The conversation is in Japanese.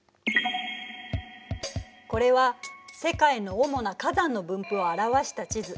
これは世界のおもな火山の分布を表した地図。